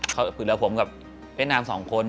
เขาผล่าผมกับเฟนนาม๒คน